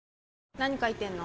何書いてんの？